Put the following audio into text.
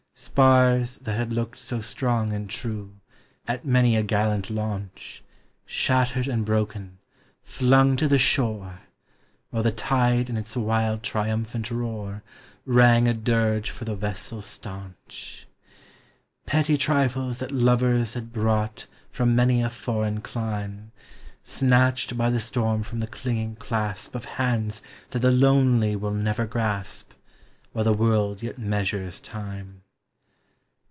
Spars that had looked so strong and true, At many a gallant launch, Shattered and broken, thing to the shore, While the tide in its wild triumphanl roar Rang a dirge for the vessel stanch. Petty trifles that lovers had brought From many a foreign clime, Snatched by the storm from the clinging clasp Of hands that the lonely will never grasp, While the world yet measures time.